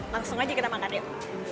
langsung aja kita makan itu